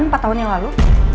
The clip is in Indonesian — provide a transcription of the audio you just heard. empat tahun yang lalu